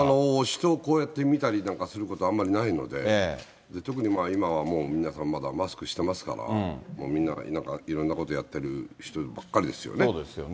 人をこうやって見たりなんかすることはあんまりないので、特に今はもう、皆さんまだマスクしてますから、もうみんな、なんかいろんなことやってる人ばかりですよね。